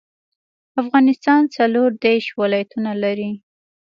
افغانستان څلور ديرش ولايتونه لري.